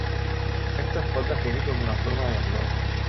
Aquesta es pot definir com a una forma de llenguatge.